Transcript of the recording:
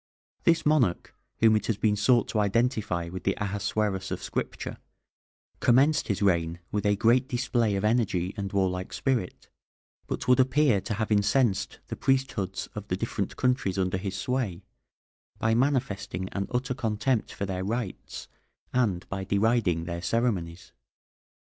This monarch, whom it has been sought to identify with the Ahasuerus of Scripture, commenced his reign with a great display of energy and warlike spirit, but would appear to have incensed the priesthoods of the different countries under his sway by manifesting an utter contempt for their rites, and by deriding their ceremonies.